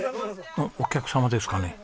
お客様ですかね？